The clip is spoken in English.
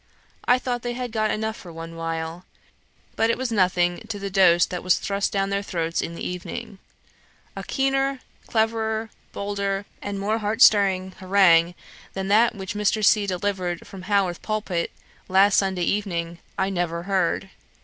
I thought they had got enough for one while, but it was nothing to the dose that was thrust down their throats in the evening. A keener, cleverer, bolder, and more heart stirring harangue than that which Mr. C. delivered from Haworth pulpit, last Sunday evening, I never heard.